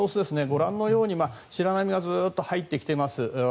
ご覧のように白波がずっと入ってきています。